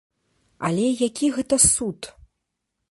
Але які гэта суд?